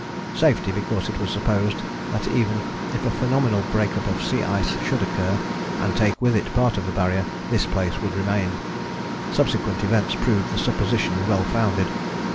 'Safety' because it was supposed that even if a phenomenal break up of sea ice should occur, and take with it part of the Barrier, this place would remain. Subsequent events proved the supposition well founded.